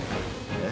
え？